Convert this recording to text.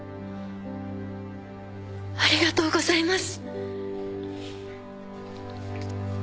ありがとうございます。